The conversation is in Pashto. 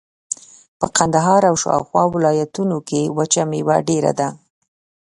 په کندهار او شاوخوا ولایتونو کښې وچه مېوه ډېره ده.